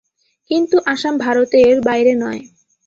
কিন্তু আসাম ভারতের বাইরে নয়।